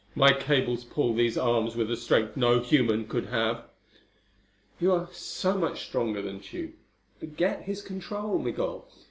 My cables pull these arms with a strength no human could have." "You are so much stronger than Tugh. Forget his control, Migul.